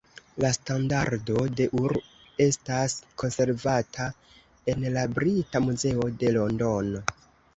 La Standardo de Ur estas konservata en la Brita Muzeo de Londono.